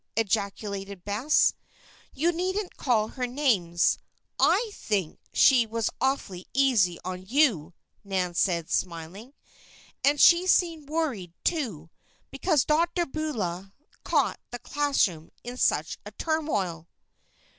ejaculated Bess. "You needn't call her names. I think she was awfully easy on you," Nan said, smiling. "And she seemed worried, too, because Dr. Beulah caught the classroom in such a turmoil."